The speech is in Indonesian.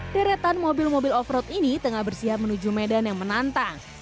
deretan mobil mobil off road ini tengah bersiap menuju medan yang menantang